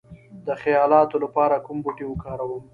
د خیالاتو لپاره کوم بوټي وکاروم؟